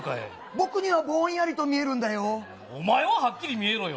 僕にはぼんやりと見えるんだお前ははっきり見えろよ。